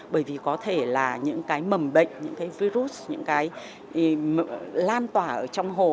bởi vì có thể là những cái mầm bệnh những cái virus những cái lan tỏa ở trong hồ